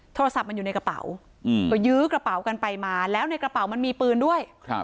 โทรศัพท์มันอยู่ในกระเป๋าก็ยื้อกระเป๋ากันไปมาแล้วในกระเป๋ามันมีปืนด้วย